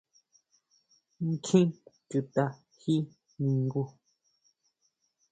¿ʼNkjin chuta ji ningu?